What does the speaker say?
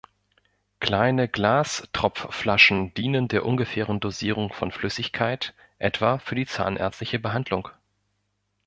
Kleine Glas-Tropfflaschen dienen der ungefähren Dosierung von Flüssigkeit etwa für die zahnärztliche Behandlung.